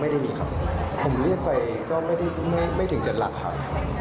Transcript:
ไม่ได้มีครับผมเรียกไปก็ไม่ถึงจะรักครับ